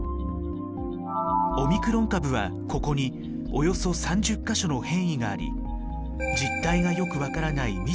オミクロン株はここにおよそ３０か所の変異があり実態がよく分からない